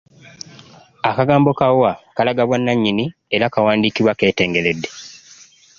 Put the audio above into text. Akagambo ka "wa" kalaga bwanannyini era nga kawandiikibwa keetengeredde.